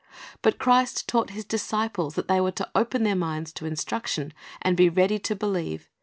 But Christ taught His disciples that they were to open their minds to instruction, and be ready to believe.